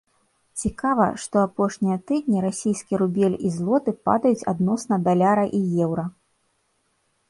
Цікава, што апошнія тыдні расійскі рубель і злоты падаюць адносна даляра і еўра.